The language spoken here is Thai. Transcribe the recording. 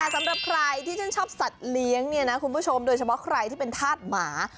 สำหรับใครที่ชื่นชอบสัตว์เลี้ยงเนี่ยนะคุณผู้ชมโดยเฉพาะใครที่เป็นธาตุหมา